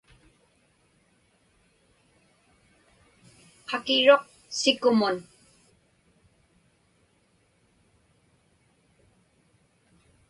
Qakiruq sikumun.